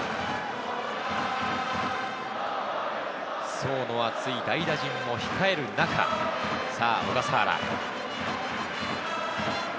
層の厚い代打陣も控える中、さぁ、小笠原。